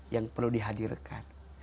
yang perlu dihadirkan